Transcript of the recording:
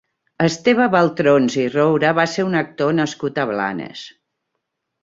Esteve Baltrons i Roura va ser un actor nascut a Blanes.